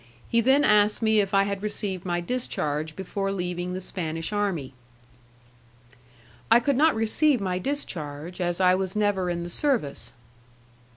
He then asked me if I had received my discharge before leaving the Spanish army. "I could not receive my discharge, as I was never in the service."